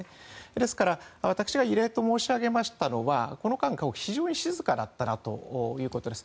ですから私が異例と申し上げましたのはこの間、非常に静かだったなということです。